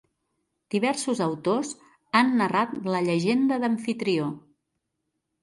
Diversos autors han narrat la llegenda d'Amfitrió.